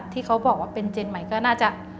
ที่เขาบอกว่าเป็นเจนใหม่ก็น่าจะ